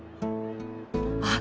あっ！